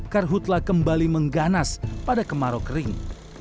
karhutlah kembali mengganas pada kemarau kering